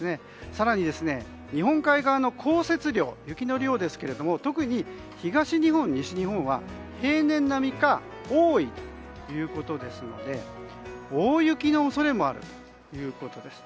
更に日本海側の降雪量ですが特に東日本、西日本は平年並みか多いということですので大雪の恐れもあるということです。